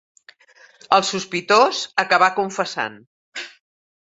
El sospitós acabà confessant.